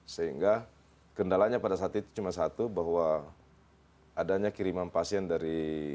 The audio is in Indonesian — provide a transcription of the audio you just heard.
sehingga kendalanya pada saat itu cuma satu bahwa adanya kiriman pasien dari